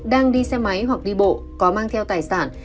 đang đi xe máy hoặc đi bộ có mang theo tài sản